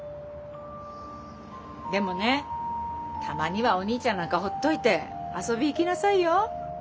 でもねたまにはお兄ちゃんなんかほっといて遊び行きなさいよ。